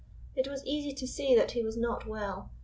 It was easy to see that he was not well.